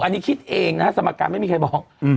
อันนี้คิดเองนะฮะสมการไม่มีใครบอก